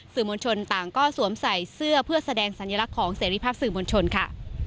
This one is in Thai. มวลชนต่างก็สวมใส่เสื้อเพื่อแสดงสัญลักษณ์ของเสรีภาพสื่อมวลชนค่ะ